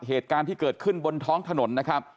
เหตุการณ์ที่เกิดขึ้นบนท้องถนนนะครับ